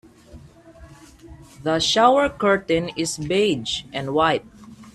The shower curtain is beige and white.